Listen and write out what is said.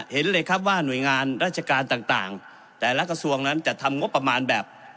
เห็นเลยครับว่าหน่วยงานราชการต่างแต่ละกระทรวงนั้นจะทำงบประมาณแบบ